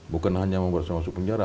bukan hanya membuat saya masuk penjara